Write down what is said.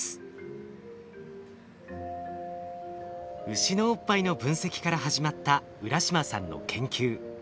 ウシのおっぱいの分析から始まった浦島さんの研究。